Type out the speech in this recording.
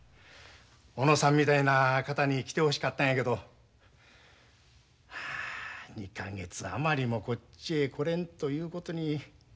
小野さんみたいな方に来てほしかったんやけど２か月余りもこっちへ来れんということに。